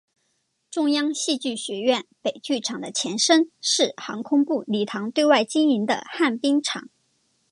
中央戏剧学院北剧场的前身是航空部礼堂对外经营的旱冰场。